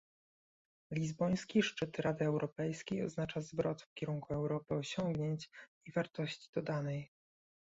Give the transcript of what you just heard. Lizboński szczyt Rady Europejskiej oznacza zwrot w kierunku Europy osiągnięć i wartości dodanej